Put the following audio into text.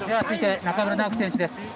続いて、中村直幹選手です。